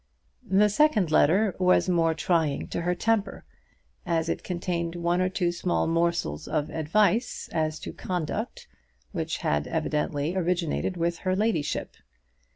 The second letter was more trying to her temper, as it contained one or two small morsels of advice as to conduct which had evidently originated with her ladyship.